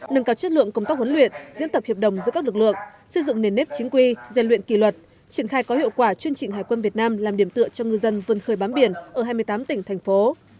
nâng cao chất lượng công tác huấn luyện diễn tập hiệp đồng giữa các lực lượng xây dựng nền nếp chính quy gian luyện kỳ luật triển khai có hiệu quả chuyên trị hải quân việt nam làm điểm tựa cho ngư dân vươn khơi bám biển ở hai mươi tám tỉnh thành phố